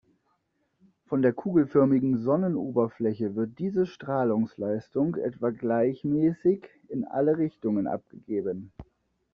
Von der kugelförmigen Sonnenoberfläche wird diese Strahlungsleistung etwa gleichmäßig in alle Richtungen abgegeben.